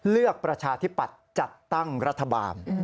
ประชาธิปัตย์จัดตั้งรัฐบาล